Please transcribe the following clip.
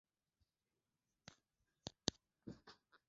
weka matembele kivulini kabla ya kuyapika yanyauke